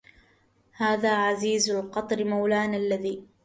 هذا عزيز القطر مولانا الذي